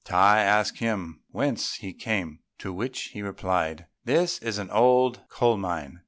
Tai asked him whence he came; to which he replied, "This is an old coal mine.